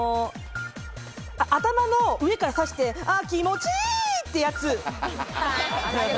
頭の上から刺して、あ気持ちいい！ってやつ。